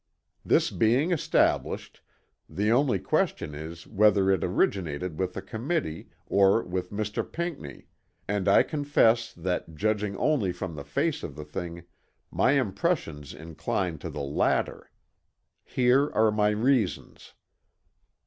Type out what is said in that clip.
"This being established, the only question is, whether it originated with the committee, or with Mr. Pinckney, and I confess that judging only from the face of the thing my impressions incline to the latter. Here are my reasons.